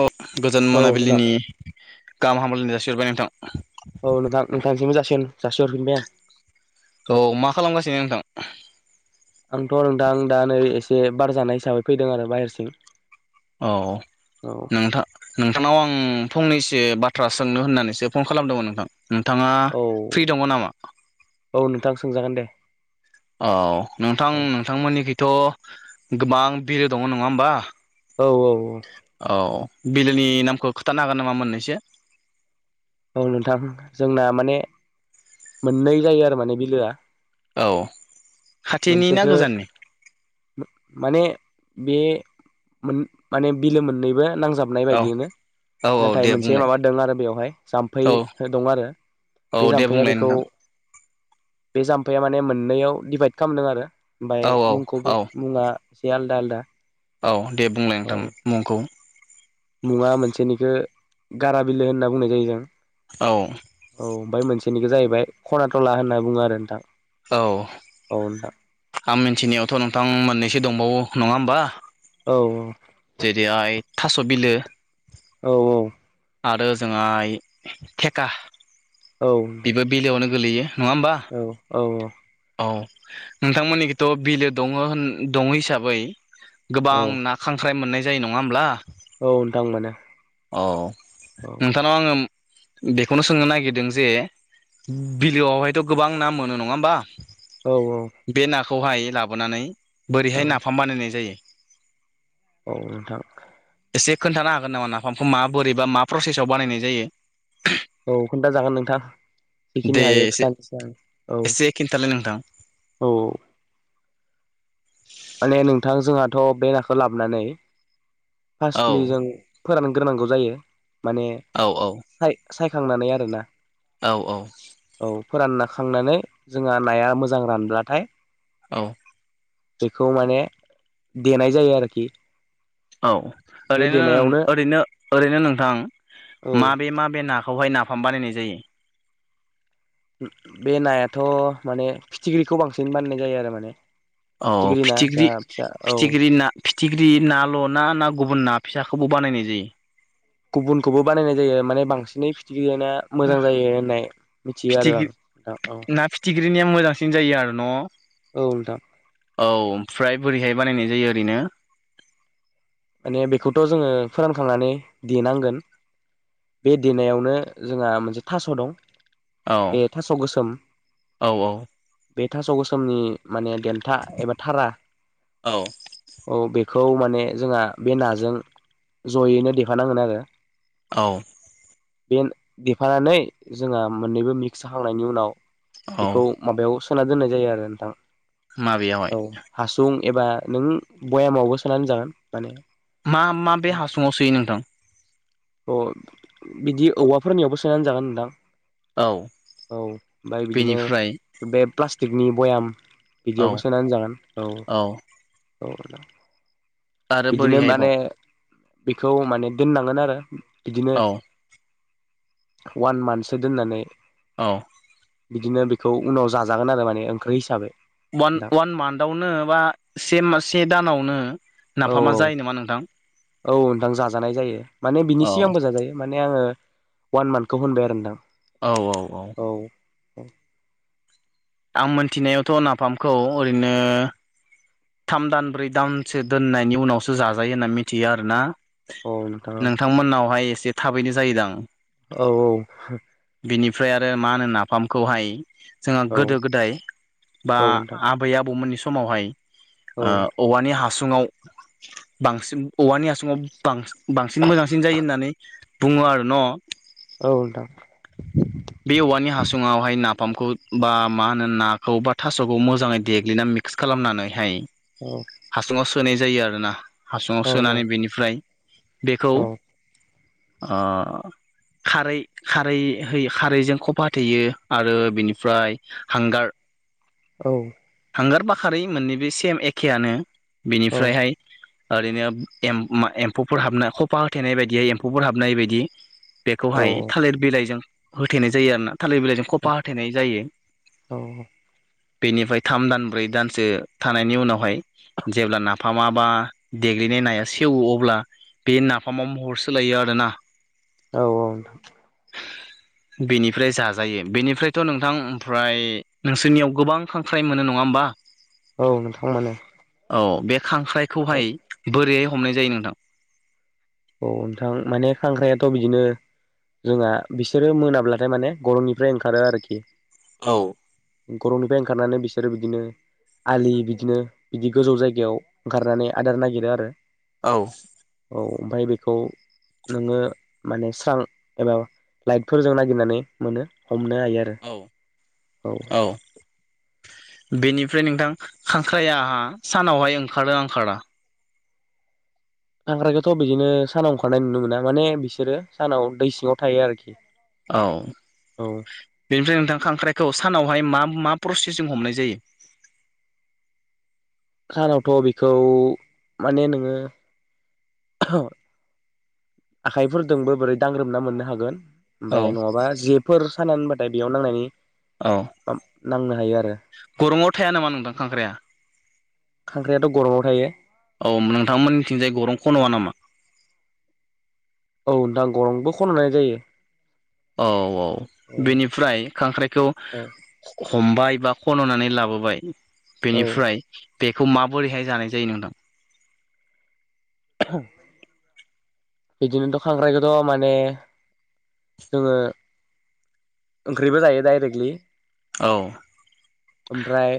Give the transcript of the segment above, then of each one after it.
औ गोजान औ नोंथां मोनाबिलिनि गाहाम हामब्लायनाय जासिहरबाय नोंथां। औ नोंथां नोंथांसिमबो जासि- जासिहरफिनबाय आं औ मा खालामगासिनो नोंथां? आंथ' नोंथां दा नै एसे बार जानाय हिसाबै फैदों आरो बाहेरसिम औ नोंथां-नोंथांनाव आं फंनै सो बाथ्रा सोंनो होननानैसो फन खालामदोंमोन नोंथां। नोंथाङा औ फ्रि दङ नामा? औ नोंथां सोंजागोन दे। औ नोंथां औ नोंथांमोननिखैथ' गोबां बिलो दङ नङा होमबा! औ औ औ बिलोनि नामखौ खिथानो हागोन नामा मोननैसो? औ नोंथां जोंना माने मोननै जायो आरो माने बिलोआ औ खाथिनि ना मोनसेखो गोजाननि माने बे माने बिलो मोननैबो नांजाबनाय औ बायदिनो औ औ नाथाय दे मोनसे बुंलाय माबा दं आरो बेवहाय जाम्फै औ दं आरो औ बे दे जाम्फैया बुंलाय बेखौ नोंथां बे जाम्फैया माने मोननैयाव डिभाइद खालामदों आरो ओमफ्राय औ मुंखौ औ बे मुङा एसे आलादा-आलादा औ दे बुंलाय नोंथां मुंखौ मुङा मोनसेनिखौ गारा बिलो होनना बुंनाय जायो जों। औ औ ओमफ्राय मोनसेनिखौ जाहैबाय खनाथला होनना बुङो आरो नोंथां। औ औ नोंथां आं मिथिनायावथ' नोंथां मोननैसो दंबावो नङा होमबा! औ जेरैहाय थास' बिलो औ आरो ओजोंहाय थेका औ नोंथां बेबो बिलोआवनो गोलैयो नङा होमबा! औ औ औ नोंथांमोननिखिथ' बिलो दङ दङ हिसाबै गोबां औ ना खांख्राइ मोननाय जायो नङा होमब्ला! औ नोंथां मोनो औ नोंथांनाव आङो बेखौनो सोंनो नागिरदों जे बिलोआवहायथ' गोबां ना मोनो नङा होमबा! औ औ हाय लाबोनानै बोरैहाय नाफाम बानायनाय जायो? औ नोंथां। एसे खोन्थानो हागोन नामा नाफामखौ मा बोरैबा मा प्रसेसाव बानायनाय जायो? औ खोन्था जागोन नोंथां। जिखिनि दे हायो एसे खिथानोसै आं। औ। एसे खिन्थालाय नोंथां औ माने नोंथां जोंहाथ' बे नाखौ लाबोनानै औ फार्स्टलि जों फोरानो गोनांगौ जायो माने औ सायखांनानै आरोना औ औ फोरानना खांनानै जोंहा नाया मोजां रानब्लाथाय औ। बेखौ माने, देनाय जायो आरोखि। औ बे ओरैनो, देनायावनो ओरैनो -ओरैनो नोंथां। औ माबे -माबे नाखौहाय नाफाम बानायनाय जायो? बे नायाथ' माने फिथिख्रिखौ बांसिन बाननाय जायो आरो माने। औ ना जा फिथिख्रि फिसा औ -फिथिख्रि ना फिथिख्रि नाल' ना, ना गुबुन ना? फिसाखौबो बानायनाय जायो। गुबुनखौबो बानायनाय जायो माने बांसिनै [unintelligible] [unintelligible] मोजां जायो होननाय मिथियो आरो फिथिख्रि आं ।औ। [unintelligible] मोजांसिन जायो आरो न'? औ नोंथां औ ओमफ्राय बोरैहाइ बानायनाय जायो ओरैनो। माने बेखौथ' जोङो फोरानखांनानै देनांगोन। बे देनायावनो जोंहा मोनसे थास' दं। बे औ, थास' गोसोम औ, औ। बे थास' गोसोमनि माने देन्था एबा थारा, औ औ, बे [unintelligible] माने जोंहा बे नाजों जयैनो देफानांगोन आरो। औ। बे देफानानै जोंहा मोननैबो मिक्स जाखांनायनि उनाव औ बेखौ माबायाव सोना दोननाय जायो आरो नोंथां माबेयावहाय ।औ, हासुं एबा नों भयामावबो सोनानै जागोन। माने मा -मा बे हासुङाव सोयो नोंथां? अ बिदि औवाफोरनियावबो सोनानै दोनजागोन औ नोंथां। औ, ओमफ्राय बिदिनो बेनिफ्राय बे प्लास्टिकनि भयाम। औ बिदियावबो सोनानै जागोन ।औ, औ। आरो बिदिनो माने बोरैहायबाव बेखौ माने दोननांगोन आरो। बिदिनो औ वान मान्थसो दोननानै। औ। बिदिनो बेखौ उनाव जाजागोन आरो, माने ओंख्रि हिसाबै। अवान नोंथां -अवान मान्थआवनो बा से -से दानावनो औ नाफामा जायो नामा नोंथां? औ नोंथां, जाजानाय जायो । माने बिनि औ सिगांबो जाजायो। माने आङो अवान मान्थखौ होनबाय आरो नोंथां। औ औ औ। [unintelligible] आं मोनथिनायावथ' नाफामखौ ओरैनो थाम दान, ब्रै दानसो दोननायनि उनावसो जाजायो होनना मिथियो आरोना। नोंथांमोननावहाय एसे थाबैनो जायोदां। औ औ। बिनिफ्राय आरो मा होनो नाफामखौहाय जों औ गोदो -गोदाय बा औ नोंथां आबै -आबौमोननि समावहाय औ औवानि [unintelligible] [unintelligible] बांसिन औवानि हासुआव बां-बांसिन मोजांसिन जायो होननानै बुं बुङो आरो न'? औ, नोंथां। बे औवानि हासुङावहाय नाफामखौ बा मा होनो नाखौ बा थास'खौ मोजाङै देग्लिना मिक्स खालामनानैहाय औ हासुङाव सोनाय जायो आरोना ।हासुङाव औ सोनानै नोंथां बेनिफ्राय बेखौ औ ओ खारै- खारै होयो। खारैजों खफा होथेयो आरो बिनिफ्राय हांगार औ। हांगार बा खारै मोननै बे सेम एखेआनो। बेनिफ्रायहाय ओरैनो एम एम्फौफोर हाबनाय खफा होथेनाय बायदियै एम्फौफोर हाबनाय बायदि बेखौहाय थालिर बिलाइजों होथेनाय जायो आरोना थालिर बिलाइजों खफा होथेनाय जायो बेनिफ्राय थाम दान ब्रै दानसो थानायनि उनावहाय जेब्ला नाफामा बा देग्लिनाय नाया सेवो अब्ला बे नाफामाव महर सोलायो आरोना औ औ बेनिफ्राय जाजायो बेनिफ्रायथ' नोंथां ओमफ्राय नोंसोरनियाव गोबां खां ख्राय मोनो नङा होमबा औ नोंथां मोनो औ बे खांख्राइखौहाय बोरैहाय हमनाय जायो नोंथां औ नोंथां माने खांख्राइआथ' बिदिनो जोंहा बिसोरो मोनाब्लाथाय माने गरंनिफ्राय ओंखारो आरोखि औ गरंनिफ्राय ओंखारनानै बिसोरो बिदिनो आलि बिदिनो बिदि गोजौ जायगायाव ओंखारनानै आदार नागिरो आरो औ ओमफाय बेखौ नोङो माने स्रां एबा लाइटफोरजों नागिरनानै मोनो हमनो हायो आरो औ औ बेनिफ्राय नोंथां खांख्रायहा सानावहाय ओंखारोना‌ ओंखारा खांख्रायखौथ' बिदिनो सानाव ओंखारनाय नुनो मोना माने बिसोरो सानाव दै सिङाव थायो आरोखि औ औ बेनिफ्राय नोंथां खांख्राइखौ सानावहाय मा मा प्रसेसजों हमनाय जायो [inaudible] खानावथ' बेखौ माने नोङो आखाइफोरदोंबो बोरै दांग्रोमना मोननो हागोन औ ओमफाय नङाबा जेफोर खाना दोनबाथाय बेयाव नांनायनि औ नांनो हाया गरंआव थाया नामा नोंथां खांख्राया खांख्राइाथ' गरंआव थायो औ नोंथांमोननिथिंजाय आरो खन'आ नामा औ नोंथां गरंबो खननाय जायो औ औ बेनिफ्राय खांख्राइखौ औ हमबाय बा खन'नानै लाबोबाय औ बेनिफ्राय बेखौ माबोरैहाय जानाय जायो नोंथां [unintelligible] बिदिनोथ खांख्रायखौथ' माने जोङो ओंख्रिबो जायो डाइरेक्टलि औ ओमफ्राय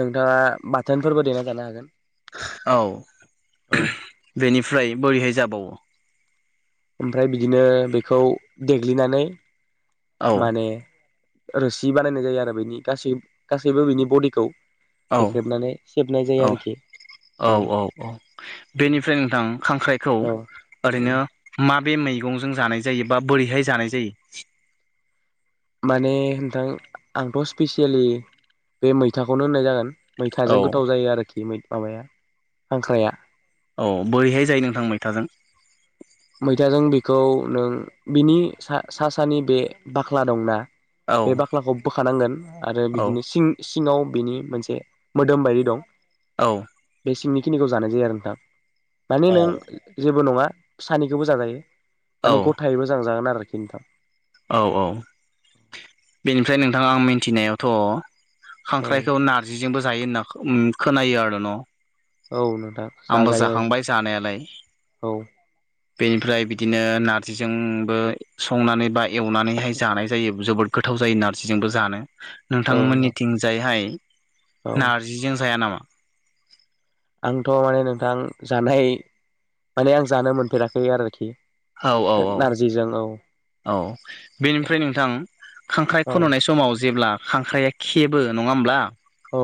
नोंथाङा बाथोनफोरबो देना जानो हागोन औव औ बेनिफ्राय बोरैहाय जाबावो। ओमफ्राय बिदिनो बेखौ देग्लिनानै औ माने रोसि बानायनाय जायो आरो बेनि गासै गासैबो बिनि बडिखौ औ देख्रेबनानै सेबनाय जायो औ आरोखि औ औ बेनिफ्राय नोंथां खांख्राइखौ औ ओरैनो मा बे मैगंजों जानाय जायो बा बोरैहाय जानाय जायो। माने नोंथां आंथ' स्पेसियेलि बे मैथाखौनो होननाय जागोन। मैथाजों औ गोथाव जायो आरोखि माबाया हांख्राया औव बोरैहाय जायो नोंथां मैथाजों मैथाजों बिखौ नों बिनि सा सानि बे बाख्ला दंना। औ बे बाख्लाखौ बोखानांगोन आरो औ बिदिनो सिं सिङाव बिनि मोनसे मोदोम बायदि दं। औव बे सिंनिखिनिखौ जानाय जायो आरो नोंथां माने नों औ जेबो नङा सानैखौबो जाजायो औ माने गथायै जाजागोन आरोखि नोंथां औ नोंथां आं मिन्थिनायावथ' औ खांख्राइखौ नारजिजोंबो जायो होनना ओम खोनायो आरो न' औव नों आंबो जाखांबाय जानायालाय। औ बेनिफ्राय बिदिनो नारजिजोंबो संनानै बा एवनानैहाय जानाय जायो जोबोद गोथाव जायो नारजिजोंबो जानो औ नोंथां नोंथांमोननिथिंजायहाय औ नारजिजों जाया नामा? आंथ' माने नोंथां जानाय माने आं जानो मोनफेराखै आरोखि नारजिजों औव औव बेनिफ्राय नोंथां खांख्राइ औ खन'नाय समाव जेब्ला खांख्राइआ खेबो नङा होमब्ला? औ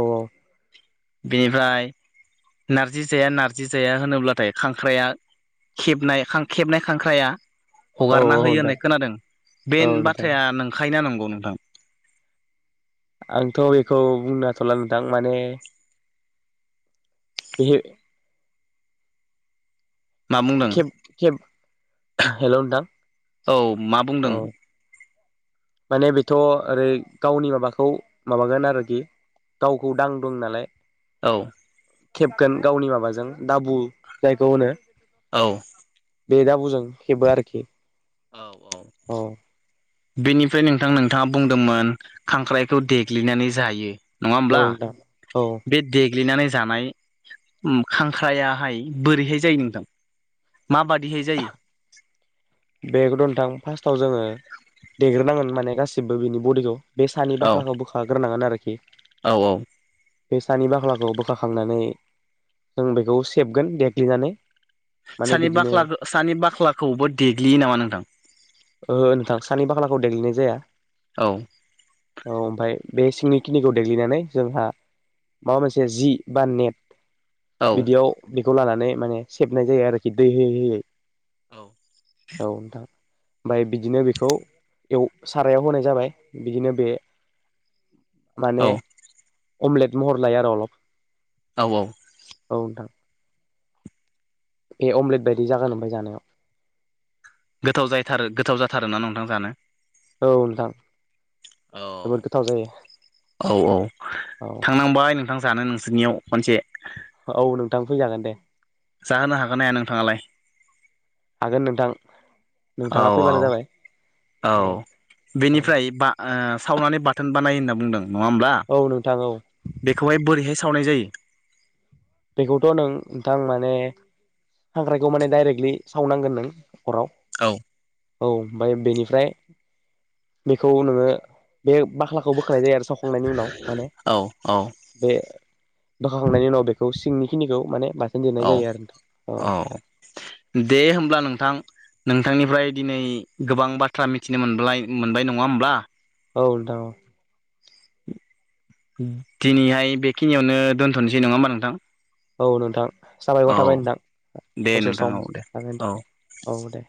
बेनिफ्राय नारजि जाया नारजि जाया होनोब्लाथाय खांख्राइआ खेबनाय खेबनाय खांख्राइआ औ हगारना होयो नोंथां होननाय खोनादों बे औ नोंथां बाथ्राया नंखायना नंगौ नोंथां? आंथ' बेखौ बुंनो हाथ'ला नोंथां माने बेयो मा बुंदों केब केब हेल' नोंथां औव मा औ बुंदों? माने बेथ' ओरै गावनि माबाखौ माबागोन आरोखि। गावखौ दां दं नालाय औव खेबगोन गावनि माबाजों दाबु जायखौ होनो औव बे दाबुजों खेबो आरोखि औव औवानि औ बेनिफ्राय नोंथां नोंथाङा बुंदोंमोन खांख्राइखौ देग्लिनानै जायो नङा औव होमब्ला नोंथां औव बे देग्लिनानै जानाय ओम खांख्रायाहाय बोरैहाय जायो नोंथां। माबादिहाय जायो? बेखौथ' नोंथां फार्स्टआव जोङो देग्रोनांगोन माने गासिबो बिनि बडिखौ बे सानि बाख्लाखौ बोखाग्रोनांगोन आरोखि औव औव बे सानि बाख्लाखौ बोख्लाखांनानै जों बेखौ सेबगोन देग्लिनानै माने सानि बिदिनो बाख्लाखो सानि बाख्लाखौबो देग्लियो नामा नोंथां। ओ नोंथां सानि बाख्लाखौ देग्लिनाय जाया औ औव ओमफाय बे सिंनि खिनिखौ देग्लिनानै जोंहा माबा मोनसे जि बा नेट बिदियाव बेखौ लानानै माने सेबनाय जायो आरोखि दै होयै होयै औ औ दां ओमफ्राय बिदिनो बेखौ एव सारायाव होनाय जाबाय बिदिनो बे माने औ अमलेट महर लायो आरो अलप औ औ औ नोंथां ए अमलेट बायदि जागोन ओमफ्राय जानायाव गोथाव जायथारो गोथाव जाथारोना नोंथां जानो औ नोंथां। औ जोबोद गोथाव जायो औ औ औ थांनांबाय नों ना जानो नोंसोरनियाव मोनसे औ नोंथां फैजागोन दे। जाहोनो हागोन नाया नोंथाङालाय हागोन नोंथां औ नोंथाङा औ फैबानो जाबाय औ औ बेनिफ्राय बा ओ सावनानै बाथोन बानाय होनना बुंदों नङा होमब्ला औ नोंथां औ बेखौहाय बोरैाय सावनाय जायो? बेखौथ' नों नोंथां माने हाग्राखौ माने डाइरेक्टलि सावनांगोन नों हराव औ औ ओमफ्राय बेनिफ्राय बेखौ नोङो बे बाख्लाखौ बोखनाय जायो आरो सावखांनायनि उनाव माने औ औ बे बोखाखांनायनि उनाव बे खौ सिंनिखिनिखौ माने बाथोन देनाय औ जायो आरो नोंथां औ दे होमब्ला नोंथां नोंथांनिफ्राय दिनै गोबां बाथ्रा मिथिनो मोन मोनबाय नङा होमब्ला औ नोंथां औ दिनैहाय बेखिनियावनो दोनथ'नोसै नङा होमबा नोंथां औ नोंथां औ साबायखर थाबाय नोंथां दे दसे नोंथां सम औ दे औ थाबायां औ दे